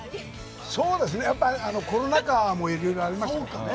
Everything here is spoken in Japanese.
そうですね、コロナ禍もいろいろありましたからね。